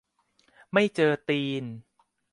ไม่เจอตีน